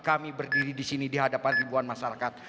kami berdiri di sini di hadapan ribuan masyarakat